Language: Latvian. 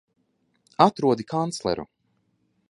Atrodi kancleru!